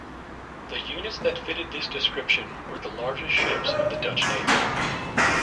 The units that fitted this description were the largest ships of the Dutch navy.